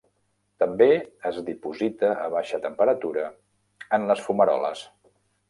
També es diposita a baixa temperatura en les fumaroles.